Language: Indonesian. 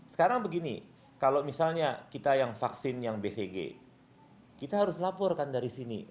sekarang begini kalau misalnya kita yang vaksin yang bcg kita harus laporkan dari sini